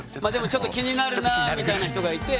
ちょっと気になるなみたいな人がいて。